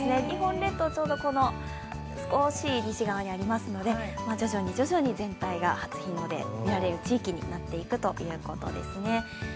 日本列島、ちょうど、この少し西側にありますので徐々に徐々に全体が初日の出が見られる地域になっていくということですね。